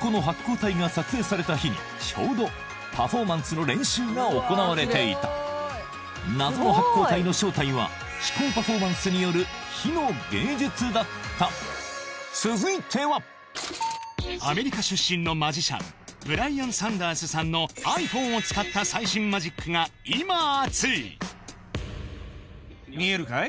この発光体が撮影された日にちょうどパフォーマンスの練習が行われていた謎の発光体の正体は続いてはアメリカ出身のマジシャンブライアン・サンダースさんのｉＰｈｏｎｅを使った最新マジックが今熱い見えるかい？